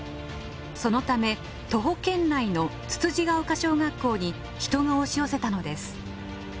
そのため徒歩圏内の榴岡小学校に人が押し寄せたのです。